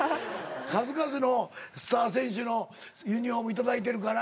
数々のスター選手のユニホーム頂いてるから。